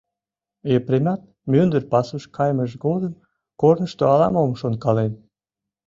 Епремат мӱндыр пасуш кайымыж годым корнышто ала-мом шонкален.